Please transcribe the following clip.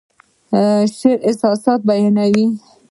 شاعر احساسات بیانوي